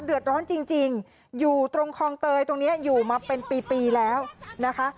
เดือดร้อนจริงอยู่ตรงคลองเตยตรงนี้อยู่มาเป็นปีปีแล้วนะคะ